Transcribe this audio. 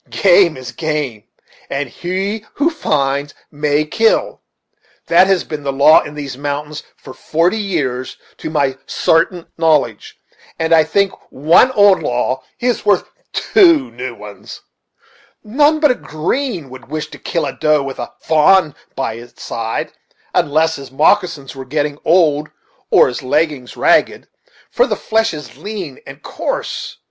Game is game, and he who finds may kill; that has been the law in these mountains for forty years to my sartain knowledge; and I think one old law is worth two new ones. None but a green one would wish to kill a doe with a fa'n by its side, unless his moccasins were getting old, or his leggins ragged, for the flesh is lean and coarse.